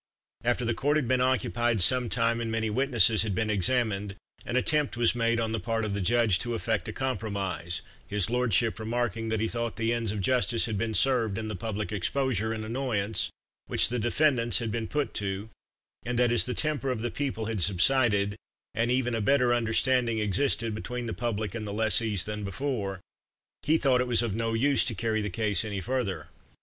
After the court had been occupied some time, and many witnesses had been examined, an attempt was made on the part of the judge to effect a compromise, His Lordship remarking that he thought the ends of justice had been served in the public exposure and annoyance which the defendants had been put to, and that as the temper of the people had subsided, and even a better understanding existed between the public and the lessees than before, he thought it was of no use to carry the case any further.